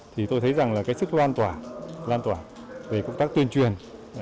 thì tôi thấy rằng là cái sức loan tỏa về công tác tuyên truyền